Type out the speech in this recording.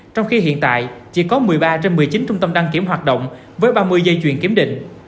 trong khi hiện tại chỉ có một mươi ba trên một mươi chín trung tâm đăng kiểm hoạt động với ba mươi dây chuyền kiểm định